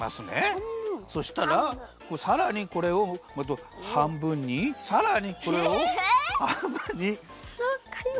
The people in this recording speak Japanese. そしたらさらにこれをはんぶんにさらにこれをはんぶんにわります。